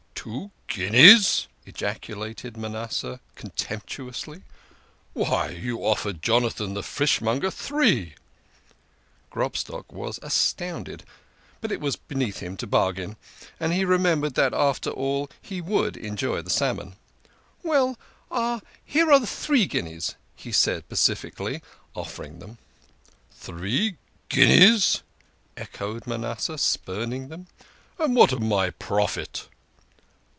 " Two guineas !" ejaculated Manasseh contemptuously. " Why you offered Jonathan, the fishmonger, three !" Grobstock was astounded, but it was beneath him to bar gain. And he remembered that, after all, he would enjoy the salmon. " Well, here are three guineas," he said pacifically, offer ing them. " Three guineas !" echoed Manasseh, spurning them. "And what of my profit?"